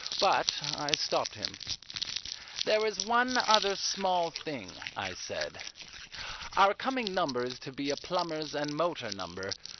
But I stopped him. "There is one other small thing," I said. "Our coming number is to be a Plumbers' and Motor Number.